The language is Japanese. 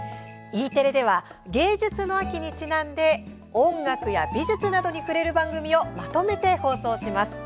Ｅテレでは、芸術の秋にちなんで音楽や美術などに触れる番組をまとめて放送します。